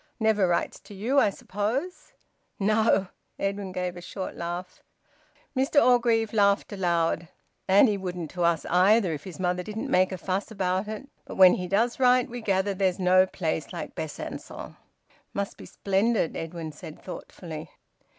Never writes to you, I suppose?" "No." Edwin gave a short laugh. Mr Orgreave laughed aloud. "And he wouldn't to us either, if his mother didn't make a fuss about it. But when he does write, we gather there's no place like Besancon." "It must be splendid," Edwin said thoughtfully.